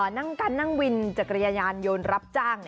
นั่งกันนั่งวินจักรยานยนต์รับจ้าง